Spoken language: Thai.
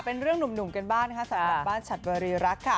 เป็นเรื่องหนุ่มกันบ้างนะคะสำหรับบ้านฉัดบริรักษ์ค่ะ